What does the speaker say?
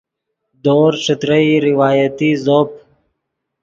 دورز ݯترئی روایتی زوپ